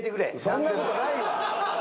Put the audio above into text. そんな事ないわ！